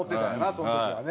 その時はね。